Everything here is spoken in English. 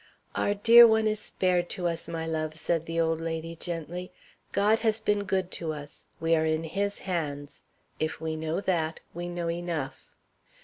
"Our dear one is spared to us, my love," said the old lady, gently. "God has been good to us. We are in his hands. If we know that, we know enough."